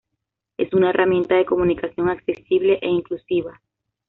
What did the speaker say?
es una herramienta de comunicación accesible e inclusiva